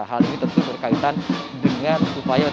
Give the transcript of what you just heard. hal ini tentu berkaitan dengan upaya